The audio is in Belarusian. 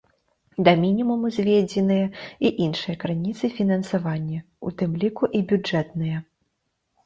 Да мінімуму зведзеныя і іншыя крыніцы фінансавання, у тым ліку і бюджэтныя.